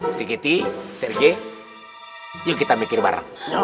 sedikit sergei yuk kita mikir bareng